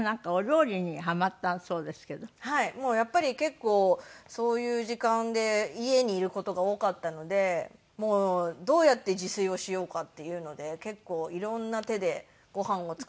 やっぱり結構そういう時間で家にいる事が多かったのでどうやって自炊をしようかっていうので結構色んな手でご飯を作ってました。